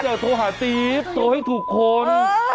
อย่าโทรหาติ๊มโทรให้ถูกคน